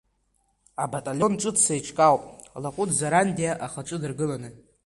Абаталион ҿыц еиҿкаауп, Лакәыт Зарандиа ахаҿы дыргыланы.